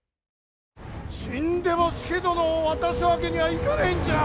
死んでも佐殿を渡すわけにはいかないんじゃ！